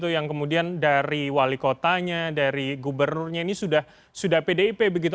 yang kemudian dari wali kotanya dari gubernurnya ini sudah pdip begitu